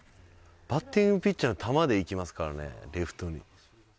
バッティングピッチャーの球でいきますからねレフトに。